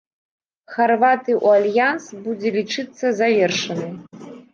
Харватыі ў альянс будзе лічыцца завершанай.